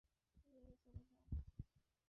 নিয়ে চলে যাও।